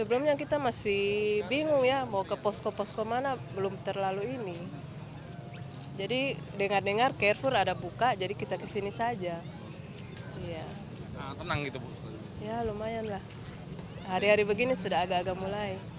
lumayan lah hari hari begini sudah agak agak mulai